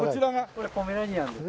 これポメラニアンです。